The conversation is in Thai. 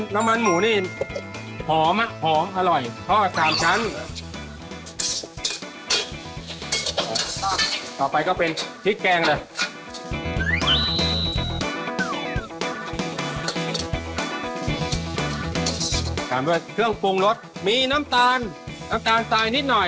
ด้วยเครื่องปรุงรสมีน้ำตาลน้ำตาลทรายนิดหน่อย